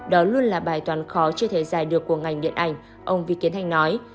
đó luôn là bài toán khó chưa thể giải được của ngành điện ảnh ông vi kiến thanh nói